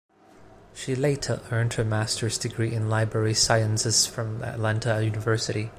She later earned her master's degree in library sciences from Atlanta University.